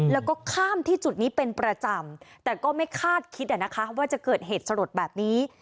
แล้วก็ข้ามที่จุดนี้เป็นประจำแต่ก็ไม่คาดคิดอะนะคะว่าจะเกิดเหตุสลดแบบนี้